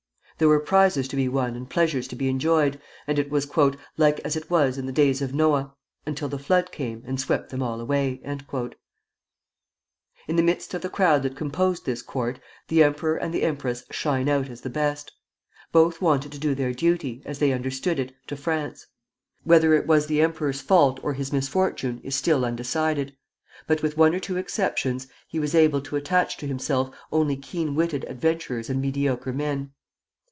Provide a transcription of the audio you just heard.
There were prizes to be won and pleasures to be enjoyed, and it was "like as it was in the days of Noë, until the flood came, and swept them all away." In the midst of the crowd that composed this court the emperor and the empress shine out as the best. Both wanted to do their duty, as they understood it, to France. Whether it was the emperor's fault or his misfortune, is still undecided; but, with one or two exceptions, he was able to attach to himself only keen witted adventurers and mediocre men.